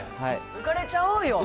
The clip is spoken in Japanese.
浮かれちゃおうよ。